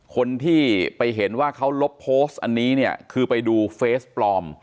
คนที่ไปเห็นว่าเขาลบโพสต์อันนี้เนี่ยคือไปดูเฟสปลอม